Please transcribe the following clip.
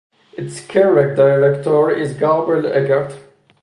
Its current director is Gabriel Eckert.